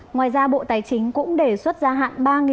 ngoài ra bộ tài chính cũng đề xuất gia hạn